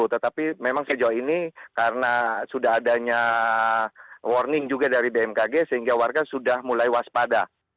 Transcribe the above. tetapi memang sejauh ini karena sudah adanya warning juga dari bmkg sehingga warga sudah mulai waspada